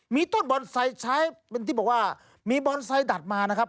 มีต้นบอนไซต์ใช้เป็นที่บอกว่ามีบอนไซค์ดัดมานะครับ